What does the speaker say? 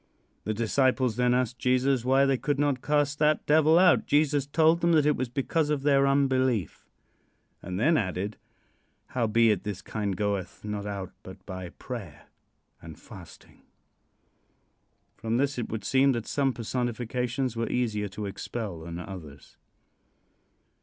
The disciples then asked Jesus why they could not cast that devil out. Jesus told them that it was because of their unbelief, and then added: "Howbeit this kind goeth not out but by prayer and fasting." From this it would seem that some personifications were easier to expel than others.